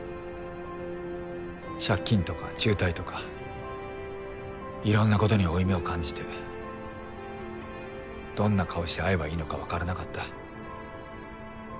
借金とか中退とかいろんな事に負い目を感じてどんな顔して会えばいいのか分からなかった。